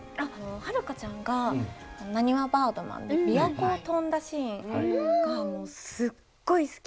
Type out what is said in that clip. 遥ちゃんがなにわバードマンでびわ湖を飛んだシーンがすっごい好き。